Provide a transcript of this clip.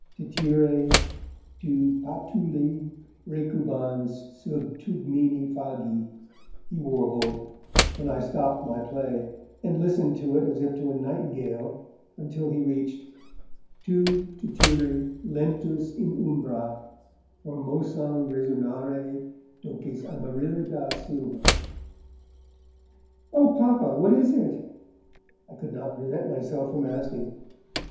Tityre, tu patulae recubans sub tegmine fagi, he warbled; and I stopped my play, and listened as if to a nightingale, until he reached tu, Tityre, lentus in umbra Formosam resonare doces Amaryllida silvan. 'Oh Papa, what is that?' I could not prevent myself from asking.